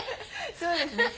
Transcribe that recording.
そうですね。